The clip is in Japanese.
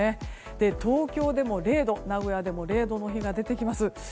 東京でも０度、名古屋でも０度の日が出てきます。